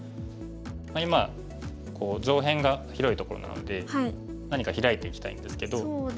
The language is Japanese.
今こう上辺が広いところなので何かヒラいていきたいんですけど。